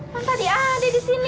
kan tadi ada disini